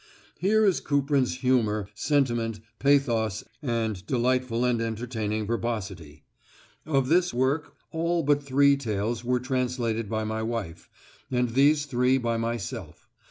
Here is Kuprin's humour, sentiment, pathos, and delightful and entertaining verbosity. Of this work all but three tales were translated by my wife, and these three by myself.